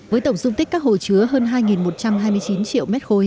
với tổng dung tích các hồ chứa hơn hai một trăm hai mươi chín triệu m ba